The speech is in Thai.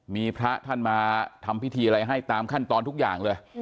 มีพระท่านมาทำพิธีอะไรให้ตามขั้นตอนทุกอย่างเลย